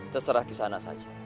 terserah kisahnya saja